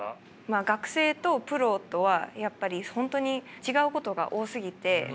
学生とプロとは本当に違うことが多すぎて。